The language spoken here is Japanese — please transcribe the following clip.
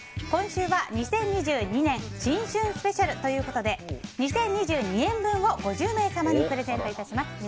今週は、２０２２年新春スペシャルということで２０２２円分を５０名様にプレゼント致します。